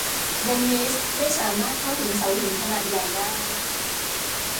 เดนนิสไม่สามารถเข้าถึงเสาหินขนาดใหญ่ได้